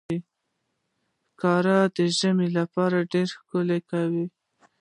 ښکاري د ژمي لپاره ډېر ښکار کوي.